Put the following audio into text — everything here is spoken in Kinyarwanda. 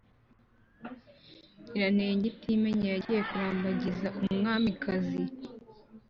Nyiranenge itim enya yagiye kurambvagisa umwamikazi